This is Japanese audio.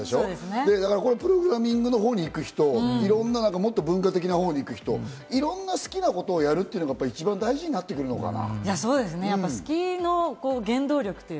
プログラミングの方に行く人、もっと文化的なものに行くような人、好きなものをやるのが大事になってくるのかな。